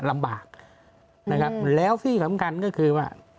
ลำบากนะครับแล้วที่สำคัญก็คือว่า